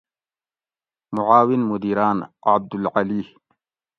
معاون مدیران: عبدالعلی